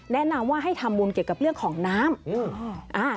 แนะนำว่าให้ทำบุญเกี่ยวกับเรื่องของน้ำ